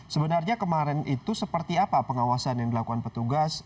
sebenarnya kemarin itu seperti apa pengawasan yang dilakukan petugas